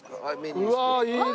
うわいいね。